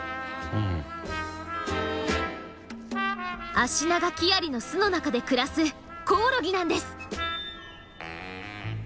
アシナガキアリの巣の中で暮らすコオロギなんです。